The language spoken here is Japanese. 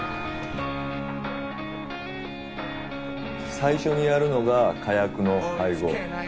最初にやるのが火薬の配合。